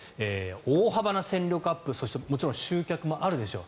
大幅な戦力アップそしてもちろん集客もあるでしょう。